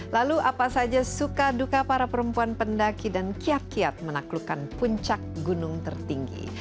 lalu apa saja suka duka para perempuan pendaki dan kiat kiat menaklukkan puncak gunung tertinggi